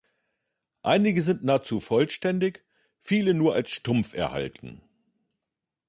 Einige sind nahezu vollständig, viele nur als Stumpf erhalten.